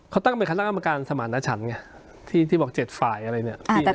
เขาตั้งเป็นคณะกรรมการสมารณชันไงที่บอก๗ฝ่ายอะไรเนี่ย